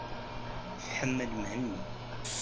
Tḥemmel Mhenni.